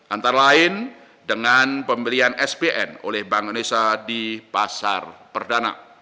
antara lain dengan pembelian spn oleh bank indonesia di pasar perdana